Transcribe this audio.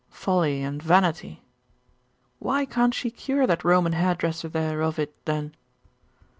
'Folly and vanity.' 'Why can't she cure that Roman hairdresser there of it, then?